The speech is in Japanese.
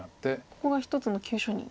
ここが一つの急所に。